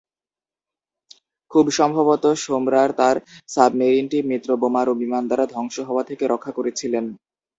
খুব সম্ভবত সোমমার তার সাবমেরিনটি মিত্র বোমারু বিমান দ্বারা ধ্বংস হওয়া থেকে রক্ষা করেছিলেন।